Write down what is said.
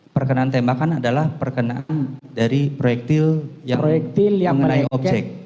perkenaan tembakan adalah perkenaan dari proyektil yang mengenai objek